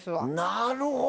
なるほど！